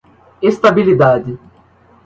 estabilidade